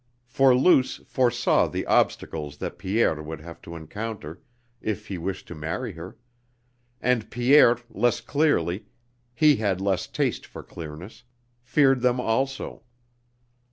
For Luce foresaw the obstacles that Pierre would have to encounter if he wished to marry her; and Pierre less clearly (he had less taste for clearness) feared them also.